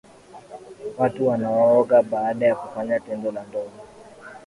watu wanaoga baada ya kufanya tendo la ndoa